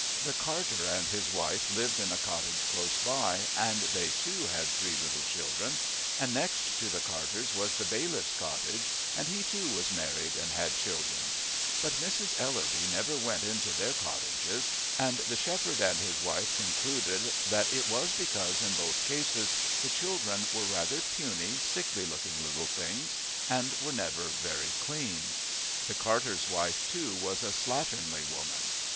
The carter and his wife lived in a cottage close by, and they, too, had three little children, and next to the carter's was the bailiff's cottage, and he, too, was married and had children; but Mrs. Ellerby never went into their cottages, and the shepherd and his wife concluded that it was because in both cases the children were rather puny, sickly looking little things and were never very clean. The carter's wife, too, was a slatternly woman.